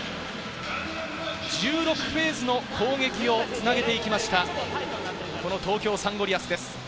１６フェーズの攻撃をつなげていきました東京サンゴリアスです。